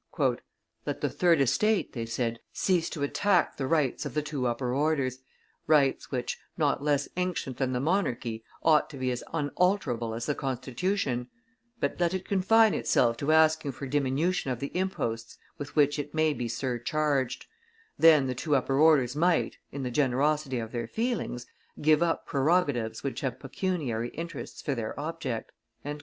"Let the third estate," they said, cease to attack the rights of the two upper orders, rights which, not less ancient than the monarchy, ought to be as unalterable as the constitution; but let it confine itself to asking for diminution of the imposts with which it may be surcharged; then the two upper orders might, in the generosity of their feelings, give up prerogatives which have pecuniary interests for their object." ...